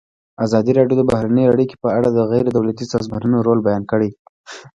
ازادي راډیو د بهرنۍ اړیکې په اړه د غیر دولتي سازمانونو رول بیان کړی.